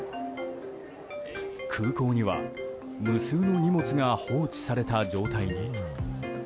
空港には、無数の荷物が放置された状態に。